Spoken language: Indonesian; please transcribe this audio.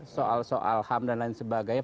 soal soal ham dan lain sebagainya